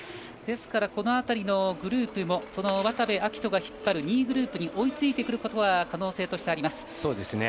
ですから、この辺りのグループも渡部暁斗が引っ張る２位グループに追いついてくる可能性はあります。